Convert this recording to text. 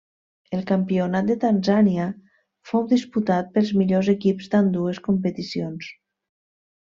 El campionat de Tanzània fou disputat pels millors equips d'ambdues competicions.